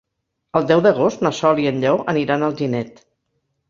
El deu d'agost na Sol i en Lleó aniran a Alginet.